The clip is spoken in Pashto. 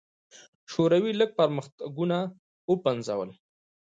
شوروي لړ پرمختګونه وپنځول.